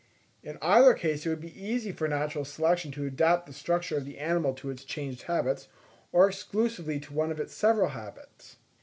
In either case it would be easy for natural selection to adapt the structure of the animal to its changed habits, or exclusively to one of its several habits.